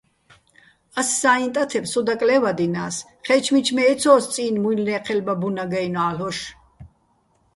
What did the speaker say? ას საჲჼ ტათებ სო დაკლე́ვადინა́ს, ჴე́ჩო̆ მიჩმე ეცო́ს წი́ნ მუჲლნე́ჴელბა ბუნაგ-აჲნო̆ ა́ლ'ოშ.